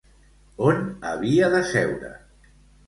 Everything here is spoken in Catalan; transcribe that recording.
On havia de seure?